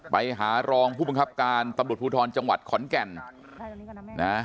ไปหารองผู้บังคับการตำรวจภูทรจังหวัดขอนแก่นนะ